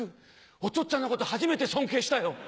おとっつぁんのこと初めて尊敬したよ。